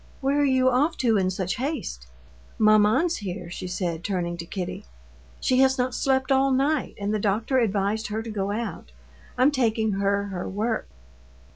"Where are you off to in such haste?" "Maman's here," she said, turning to Kitty. "She has not slept all night, and the doctor advised her to go out. I'm taking her her work."